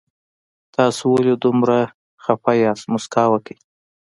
تاسو ولې دومره خفه يي مسکا وکړئ